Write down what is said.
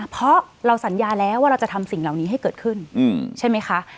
เพราะเราสัญญาแล้วว่าเราจะทำสิ่งเหล่านี้ให้เกิดขึ้นใช่ไหมคะ